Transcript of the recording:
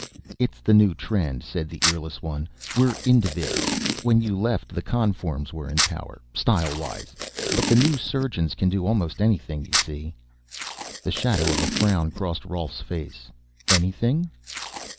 "It's the new trend," said the earless one. "We're Individs. When you left the Conforms were in power, style wise. But the new surgeons can do almost anything, you see." The shadow of a frown crossed Rolf's face. "Anything?"